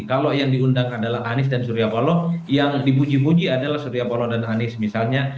kalau yang diundang adalah anies dan surya polo yang dibuji buji adalah surya polo dan anies misalnya